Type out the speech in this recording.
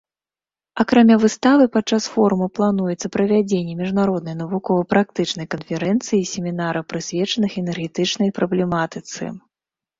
Акрамя выставы, падчас форума плануецца правядзенне міжнароднай навукова-практычнай канферэнцыі і семінара, прысвечаных энергетычнай праблематыцы.